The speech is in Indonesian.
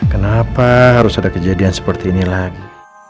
kenapa harus ada kejadian seperti ini lagi